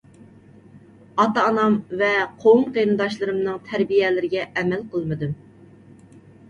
ئاتا - ئانام ۋە قوۋم - قېرىنداشلىرىمنىڭ تەربىيەلىرىگە ئەمەل قىلمىدىم.